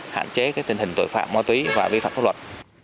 hạn chế tình hình tội phạm ma túy và vi phạm pháp luật